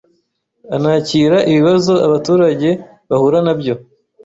anakira ibibazo abaturage bahura nabyo